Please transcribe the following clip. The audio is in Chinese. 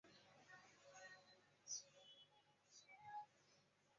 密西西比州议会大厦是美国密西西比州议会的开会地点。